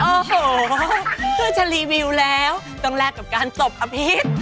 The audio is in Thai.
โอ้โหเพื่อจะรีวิวแล้วต้องแลกกับการตบอภิษ